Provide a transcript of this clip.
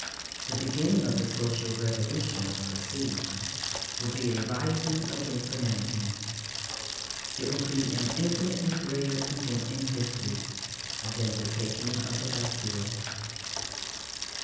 The beginning of the social revolution, I foresee, will be a rising against the mannequins. It will be an infinitely greater event in history than the taking of the Bastille.